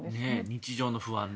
日常の不安ね。